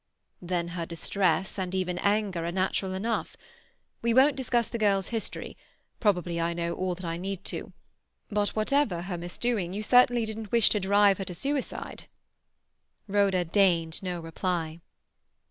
"Then her distress, and even anger, are natural enough. We won't discuss the girl's history; probably I know all that I need to. But whatever her misdoing, you certainly didn't wish to drive her to suicide." Rhoda deigned no reply.